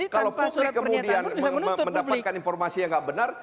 kalau publik kemudian mendapatkan informasi yang tidak benar